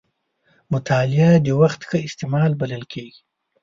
مطالعه د وخت ښه استعمال بلل کېږي.